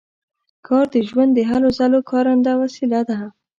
کار د ژوندانه د هلو ځلو کارنده وسیله ده.